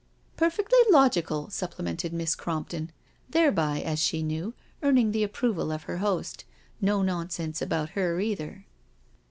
" Perfectly logical," supplemented Miss Crompton, thereby, as she knew, earning the approval of her host — no nonsense about her either.